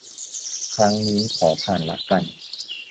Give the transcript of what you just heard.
ครั้งนี้ขอผ่านละกัน